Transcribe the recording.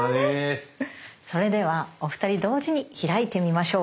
それではお二人同時に開いてみましょう。